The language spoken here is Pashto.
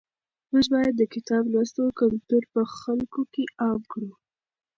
موږ باید د کتاب لوستلو کلتور په خلکو کې عام کړو.